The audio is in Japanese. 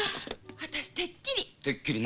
私てっきり。